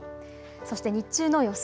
そして日中の予想